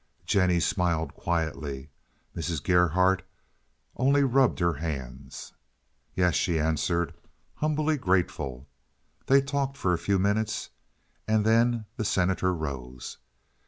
Jennie smiled quietly. Mrs. Gerhardt only rubbed her hands. "Yes," she answered, humbly grateful. They talked for a few minutes, and then the Senator rose.